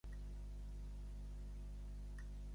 Quan ha d'afrontar el seu designi Dave?